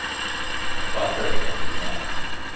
I caught her hand in mine.